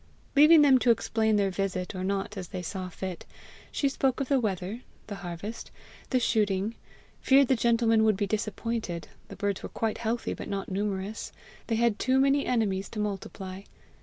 Leaving them to explain their visit or not as they saw fit, she spoke of the weather, the harvest, the shooting; feared the gentlemen would be disappointed: the birds were quite healthy, but not numerous they had too many enemies to multiply!